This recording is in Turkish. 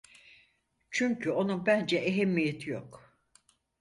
Çünkü onun bence ehemmiyeti yok.